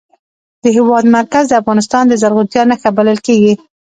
د هېواد مرکز د افغانستان د زرغونتیا نښه بلل کېږي.